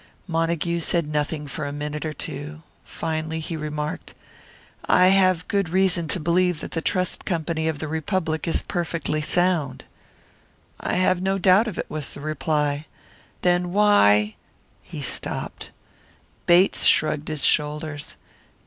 Montague said nothing for a minute or two. Finally he remarked, "I have good reason to believe that the Trust Company of the Republic is perfectly sound." "I have no doubt of it," was the reply. "Then why " He stopped. Bates shrugged his shoulders.